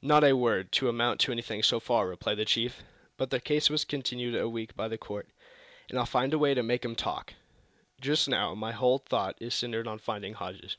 "Not a word to amount to anything, so far," replied the chief. "But their case was continued a week by the court, and I'll find a way to make 'em talk! Just now, my whole thought is centered on finding Hodges."